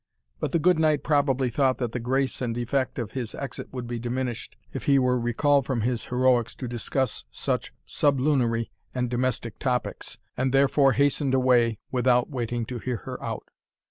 But the good knight probably thought that the grace and effect of his exit would be diminished, if he were recalled from his heroics to discuss such sublunary and domestic topics, and therefore hastened away without waiting to hear her out.